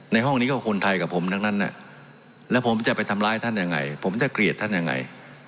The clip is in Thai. ห้องนี้ก็คนไทยกับผมทั้งนั้นแล้วผมจะไปทำร้ายท่านยังไงผมจะเกลียดท่านยังไง